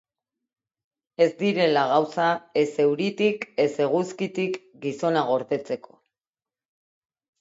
Ez direla gauza, ez euritik, ez eguzkitik, gizona gordetzeko.